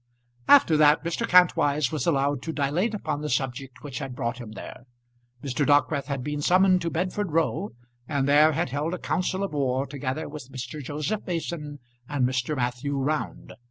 After that Mr. Kantwise was allowed to dilate upon the subject which had brought him there. Mr. Dockwrath had been summoned to Bedford Row, and there had held a council of war together with Mr. Joseph Mason and Mr. Matthew Round.